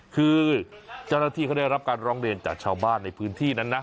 คือเจ้าหน้าที่เขาได้รับการร้องเรียนจากชาวบ้านในพื้นที่นั้นนะ